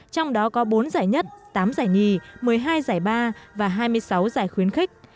trong đó có bốn giải nhất tám giải nhì một mươi hai giải ba và hai mươi sáu giải khuyến khích